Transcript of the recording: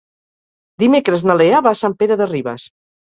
Dimecres na Lea va a Sant Pere de Ribes.